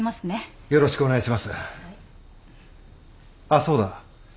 あっそうだ。